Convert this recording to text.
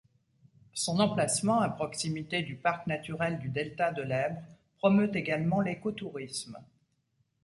Son emplacement à proximité du parc naturel du delta de l'Èbre promeut également l'écotourisme.